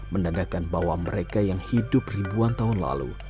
menandakan bahwa mereka yang hidup ribuan tahun lalu